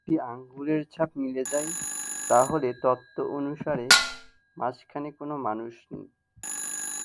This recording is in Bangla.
যদি আঙ্গুলের ছাপ মিলে যায়, তাহলে তত্ত্ব অনুসারে, মাঝখানে কোন মানুষ নেই।